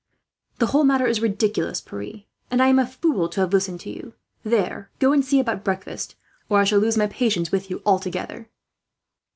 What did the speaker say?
"The whole matter is ridiculous, Pierre," Philip said angrily, "and I am a fool to have listened to you. There, go and see about breakfast, or I shall lose my patience with you, altogether."